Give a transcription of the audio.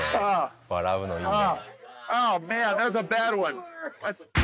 笑うのいいね！